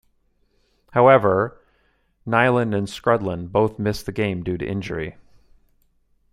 However, Nilan and Skrudland both missed the game due to injury.